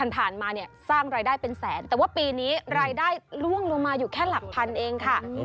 ผ่านมาเนี่ยสร้างรายได้เป็นแสนแต่ว่าปีนี้รายได้ล่วงลงมาอยู่แค่หลักพันเองค่ะ